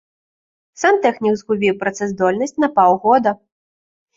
Сантэхнік згубіў працаздольнасць на паўгода.